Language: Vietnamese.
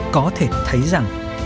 có thể thấy rằng